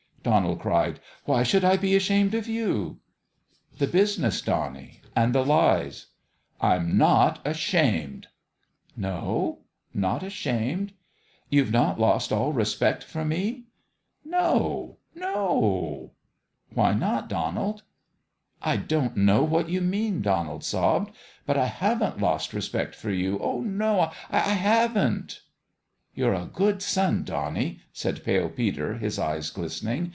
Donald cried. "Why should I be ashamed of you ?"" The business, Donnie and the lies.' 7 " I'm not ashamed !"" No ? Not ashamed ? You've not lost all respect for me ?"" No, no !" "Why not, Donald?" " I don't know what you mean," Donald sobbed ;" but I haven't lost respect for you oh, no I haven't !"" You're a good son, Donnie," said Pale Peter, his eyes glistening.